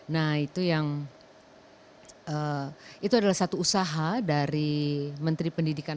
nah itu adalah satu usaha dari menteri pendidikan